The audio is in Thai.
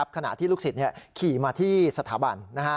ขณะที่ลูกศิษย์ขี่มาที่สถาบัน